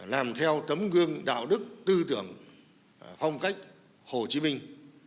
làm theo tấm gương đạo đức tư tưởng phong cách hồ chí minh